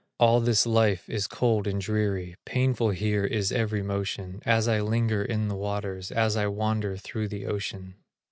All this life is cold and dreary, Painful here is every motion, As I linger in the waters, As I wander through the ocean.